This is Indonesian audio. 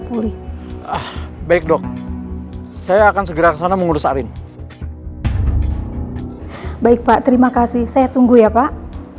pulih ah baik dok saya akan segera kesana mengurus arin baik pak terima kasih saya tunggu ya pak